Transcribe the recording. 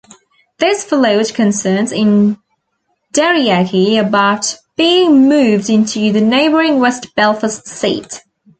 This followed concerns in Derryaghy about being moved into the neighbouring West Belfast seat.